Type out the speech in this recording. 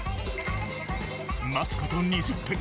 待つこと２０分。